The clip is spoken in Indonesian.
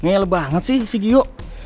masih keren banget sih si giyo